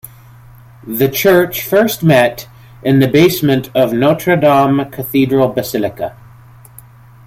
The church first met in the basement of Notre-Dame Cathedral Basilica.